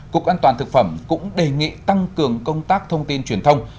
cục an toàn thực phẩm cũng đề nghị tăng cường công tác thông tin truyền thông